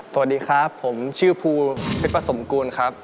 สวัสดีครับผมชื่อภูเพชรประสมกูลครับ